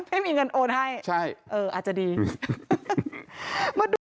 ไม่มีเงินโอนให้อาจจะดีมาดู